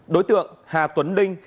đối tượng hà tuấn linh